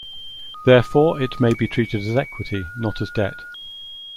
Therefore, it may be treated as equity, not as debt.